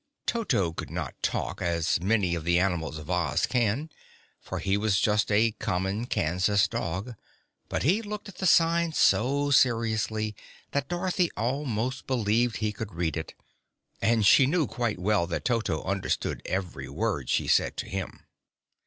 Toto could not talk, as many of the animals of Oz can, for he was just a common Kansas dog; but he looked at the sign so seriously that Dorothy almost believed he could read it, and she knew quite well that Toto understood every word she said to him.